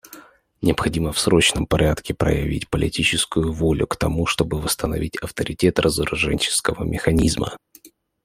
Необходимо в срочном порядке проявить политическую волю к тому, чтобы восстановить авторитет разоруженческого механизма.